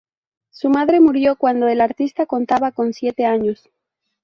Su madre murió cuando el artista contaba con siete años.